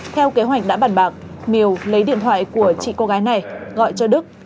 theo kế hoạch đã bàn bạc miều lấy điện thoại của chị cô gái này gọi cho đức